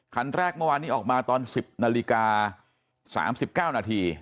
คันแรกเมื่อวานนี้ออกมาตอน๑๐นาฬิกา๓๙นาที